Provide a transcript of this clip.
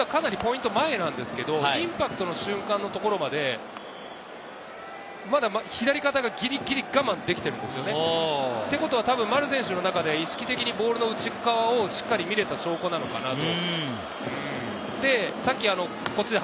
前側が開いて正体した状態で打つことが多いんですけれど、実はかなりポイントが前なんですけれど、インパクトの瞬間の所までまだ左肩がぎりぎり我慢できてるんですよね。ということは丸選手の中で意識的にボールの内側をしっかり見れた証拠なのかなって。